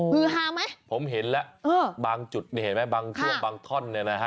ฮือฮาไหมผมเห็นแล้วบางจุดนี่เห็นไหมบางช่วงบางท่อนเนี่ยนะฮะ